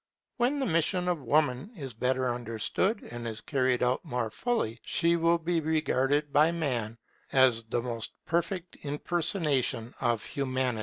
When the mission of woman is better understood, and is carried out more fully, she will be regarded by Man as the most perfect impersonation of Humanity.